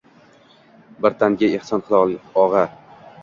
Bir tanga ehson qil og’a.